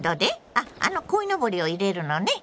あっあのこいのぼりを入れるのね？